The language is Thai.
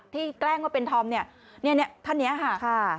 ที่แกล้งว่าเป็นธอมท่านเนี่ยค่ะ